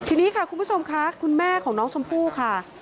ทีนี้ค่ะคุณผู้ชมค่ะคุณแม่ของน้องชมพู่ค่ะ